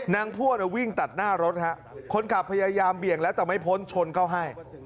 พ่วงวิ่งตัดหน้ารถฮะคนขับพยายามเบี่ยงแล้วแต่ไม่พ้นชนเข้าให้